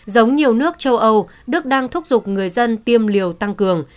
giống nhiều nước châu âu đức đang thúc giục người dân tiêm liều tăng cường